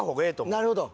なるほど。